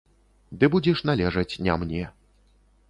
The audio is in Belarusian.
Ды будзеш належаць не мне.